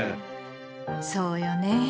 そうよねぇ。